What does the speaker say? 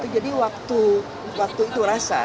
jadi waktu itu rasa